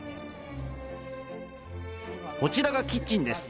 こちらがキッチンです。